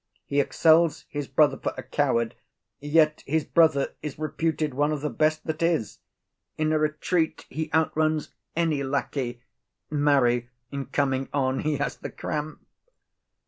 He excels his brother for a coward, yet his brother is reputed one of the best that is. In a retreat he outruns any lackey; marry, in coming on he has the cramp.